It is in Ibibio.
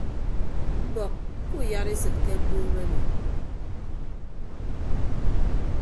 Mbọk kuuyadesịd ke mbuumo emi.